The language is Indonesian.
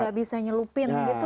tidak bisa nyelupin gitu